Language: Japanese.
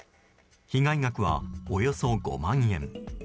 被害額はおよそ５万円。